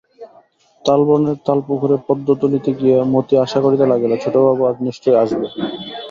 তালবনের তালপুকুরে পদ্ম তুলিতে গিয়া মতি আশা করিতে লাগিল, ছোটবাবু আজ নিশ্চয় আসবে।